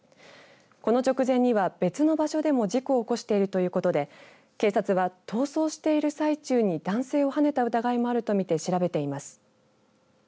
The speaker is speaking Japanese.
この直前には別の場所でも事故を起こしているということで警察は逃走していた最中に男性をはねた疑いもあると見て調べています。